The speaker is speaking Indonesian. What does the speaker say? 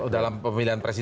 dalam pemilihan presiden